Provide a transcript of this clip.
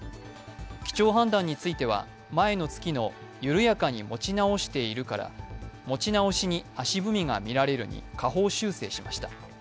基調判断については、前の月の緩やかに持ち直しているから持ち直しに足踏みが見られるに下方修正しました。